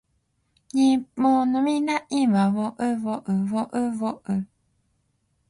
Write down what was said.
日本の未来はうぉううぉううぉううぉう